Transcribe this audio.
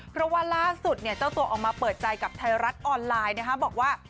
เพราะว่าล่าสุดเจ้าตัวออกมาเปิดใจกับไทยรัฐออนไลน์นะคะบอกว่า